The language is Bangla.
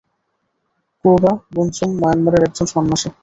ক্রুবা বুনচুম মায়ানমারের একজন সন্যাসী।